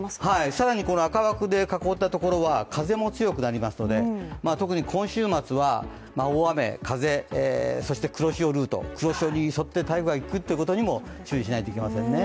更に赤枠で囲ったところは風も強くなりますので特に今週末は、大雨、風そして黒潮ルート、黒潮に沿って台風が行くってことも注意しないといけませんね。